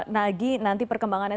lagi nanti perkembangannya